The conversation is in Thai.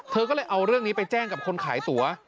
เธอก็เลยเอาเรื่องนี้ไปแจ้งกับคนขายตั๋ว